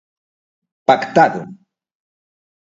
Pactado.